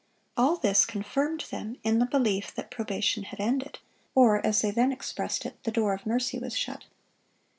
All this confirmed them in the belief that probation had ended, or, as they then expressed it, "the door of mercy was shut."